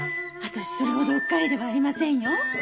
私それほどうっかりではありませんよ。